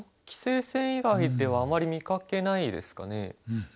棋聖戦以外ではあまり見かけないですかね。